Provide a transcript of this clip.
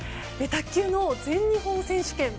卓球の全日本選手権。